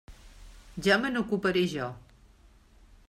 Ja me n'ocuparé jo.